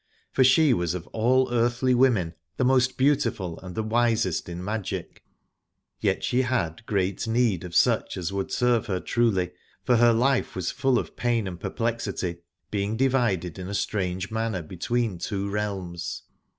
For she was of all earthly women the most beautiful and the wisest in magic : yet she had great need of such as would serve her truly, for her life was full of pain and perplexity, being divided in a strange manner between two realms.